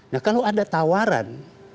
nah kalau ada tawaran